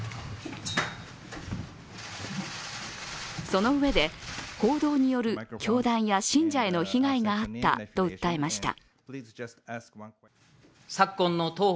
そのうえで、報道による教団や信者への被害があったと訴えました。